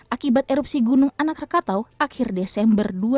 akibat erupsi gunung anak rakatau akhir desember dua ribu dua puluh